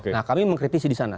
nah kami mengkritisi di sana